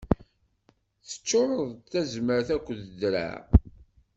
Teččuṛeḍ d tazmert akked ddreɛ.